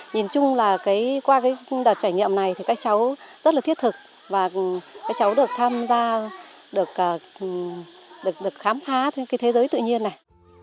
nhìn chung là qua đợt trải nghiệm này thì các cháu rất là thiết thực và các cháu được tham gia được khám phá thế giới tự nhiên này